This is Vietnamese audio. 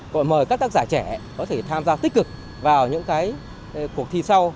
gọi mời các tác giả trẻ có thể tham gia tích cực vào những cái cuộc thi sau